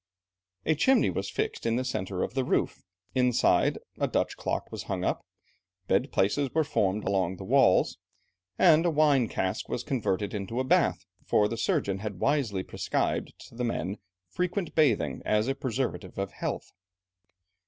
A chimney was fixed in the centre of the roof, inside a Dutch clock was hung up, bed places were formed along the walls, and a wine cask was converted into a bath, for the surgeon had wisely prescribed to the men frequent bathing as a preservative of health.